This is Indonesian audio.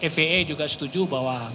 faa juga setuju bahwa